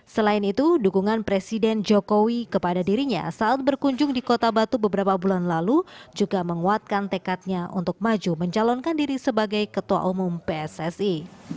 selain itu dukungan presiden jokowi kepada dirinya saat berkunjung di kota batu beberapa bulan lalu juga menguatkan tekadnya untuk maju mencalonkan diri sebagai ketua umum pssi